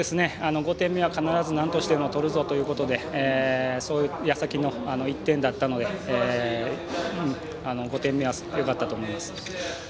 ５点目は必ずなんとしても取るぞということで、その矢先の１点だったので５点目はよかったと思います。